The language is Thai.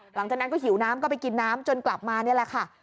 หลังจากนั้นก็หิวน้ำก็ไปกินน้ำจนกลับมานี่แหละค่ะ